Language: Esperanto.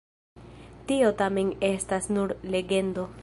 Tio tamen estas nur legendo.